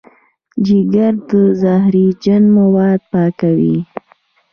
جګر زهرجن مواد پاکوي.